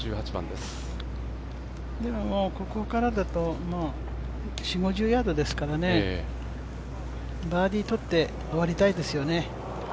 でもここからだと、もう４０５０ヤードですからねバーディーとって終わりたいですよね。